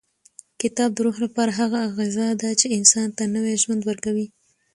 کتاب د روح لپاره هغه غذا ده چې انسان ته نوی ژوند ورکوي.